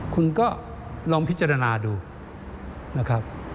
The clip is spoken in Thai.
คุณก็ลองพิจารณาดูนะครับ